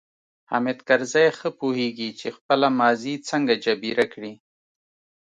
حامد کرزی ښه پوهیږي چې خپله ماضي څنګه جبیره کړي.